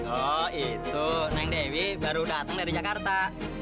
oh itu neng dewi baru datang dari jakarta